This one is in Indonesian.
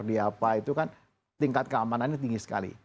di apa itu kan tingkat keamanannya tinggi sekali